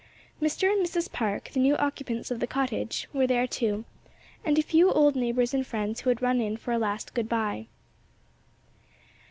Mr. and Mrs. Park, the new occupants of the cottage, were there too, and a few old neighbors and friends who had run in for a last good bye.